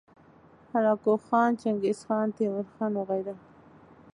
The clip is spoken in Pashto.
هلاکو خان، چنګیزخان، تیمورخان وغیره